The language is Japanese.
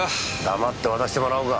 黙って渡してもらおうか。